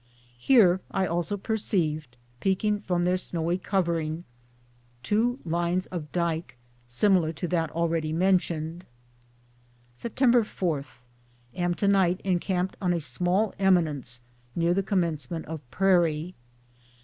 Here I also perceived, peeping from their snowy covering, two lines of dyke similar to that al ready mentioned. Sept. 4. Am tonight encamped on a small eminence near the commencement of prairie.